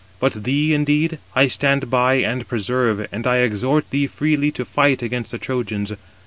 But thee, indeed, I stand by and preserve, and I exhort thee freely to fight against the Trojans.